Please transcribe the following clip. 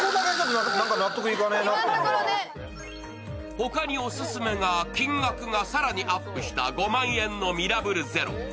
他にオススメが、金額が更にアップした５万円のミラブルゼロ。